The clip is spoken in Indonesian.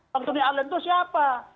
pak tuni allen itu siapa